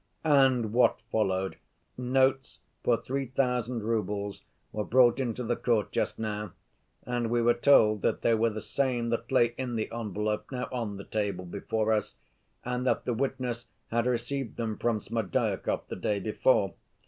"And what followed? Notes for three thousand roubles were brought into the court just now, and we were told that they were the same that lay in the envelope now on the table before us, and that the witness had received them from Smerdyakov the day before.